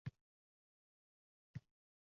G‘uslning uchta farzi bor.